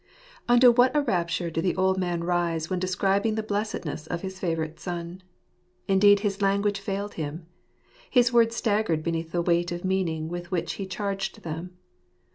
NTO what a rapture did the old man rise when , describing the blessedness of his favourite son. Indeed his language failed him. His words staggered beneath the weight of meaning with which he charged them.